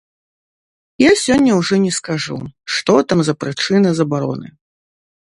Я сёння ўжо не скажу, што там за прычына забароны.